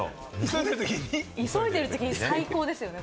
急いでるときに最高ですよね。